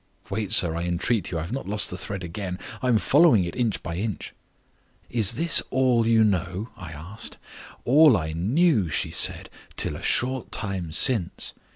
(Wait, sir, I entreat you! I have not lost the thread again; I am following it inch by inch.) 'Is this all you know?' I asked. 'All I knew,' she said, 'till a short time since.